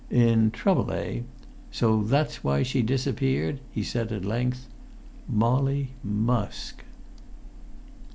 "In trouble, eh? So that's why she disappeared?" he said at length. "Molly—Musk!"